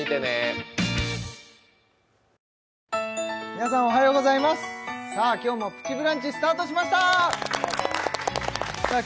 皆さんおはようございますさあ今日も「プチブランチ」スタートしましたさあ